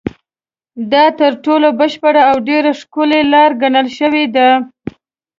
دا تر ټولو بشپړه او ډېره ښکلې لاره ګڼل شوې ده.